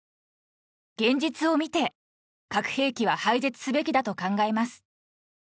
現実を見て核兵器は廃絶すべきだと考えます